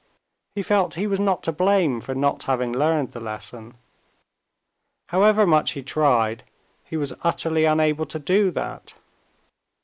He felt he was not to blame for not having learned the lesson; however much he tried, he was utterly unable to do that.